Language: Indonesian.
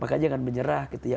makanya jangan menyerah gitu ya